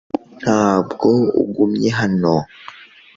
Ntabwo ugumye hano .